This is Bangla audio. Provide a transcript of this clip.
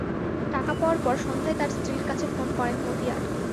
টাকা পাওয়ার পর সন্ধ্যায় তাঁর স্ত্রীর কাছে ফোন করেন মতিয়ার।